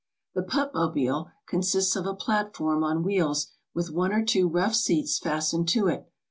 The Pup mobile consists of a platform on wheels with one or two rough seats fastened to it.